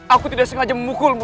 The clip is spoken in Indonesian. aku tidak sengaja memukulmu